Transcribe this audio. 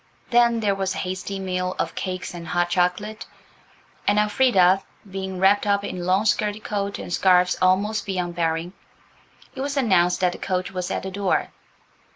Then there was a hasty meal of cakes and hot chocolate, and, Elfrida being wrapped up in long skirted coat and scarves almost beyond bearing, it was announced that the coach was at the door.